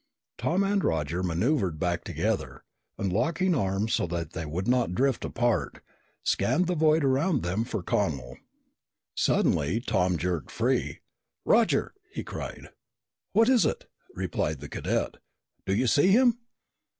Tom and Roger maneuvered back together, and locking arms so they would not drift apart, scanned the void around them for Connel. Suddenly Tom jerked free. "Roger!" he cried. "What is it?" replied the cadet. "Do you see him?"